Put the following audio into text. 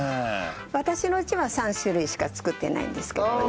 私のうちは３種類しか作ってないんですけどもね。